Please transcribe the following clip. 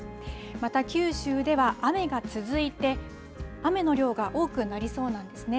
また九州では雨が続いて、雨の量が多くなりそうなんですね。